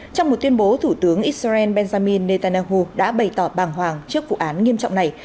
trong một tuyên bố thủ tướng israel benjamin netanyahu đã bày tỏ bàng hoàng trước vụ án nghiêm trọng này